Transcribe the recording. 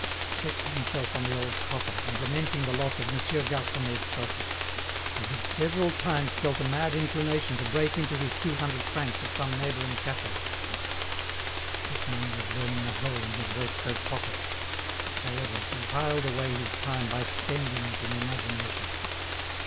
Stretching himself on the old coffer, and lamenting the loss of Monsieur Garconnet's sofa, he had several times felt a mad inclination to break into his two hundred francs at some neighbouring cafe. This money was burning a hole in his waistcoat pocket; however, he whiled away his time by spending it in imagination.